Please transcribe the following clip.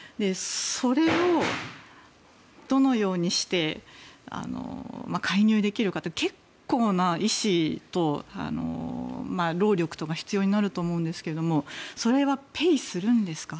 それをどのようにして介入できるかって結構な意志と労力が必要になると思いますがそれはペイするんですか？